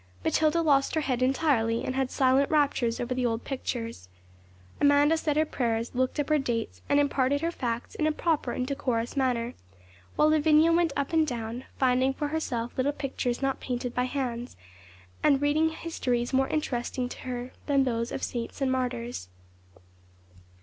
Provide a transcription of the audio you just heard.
Matilda lost her head entirely, and had silent raptures over the old pictures. Amanda said her prayers, looked up her dates, and imparted her facts in a proper and decorous manner, while Lavinia went up and down, finding for herself little pictures not painted by hands, and reading histories more interesting to her than those of saints and martyrs.